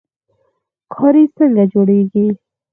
کاریز څنګه جوړیږي؟